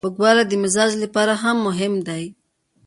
خوږوالی د مزاج لپاره هم مهم دی.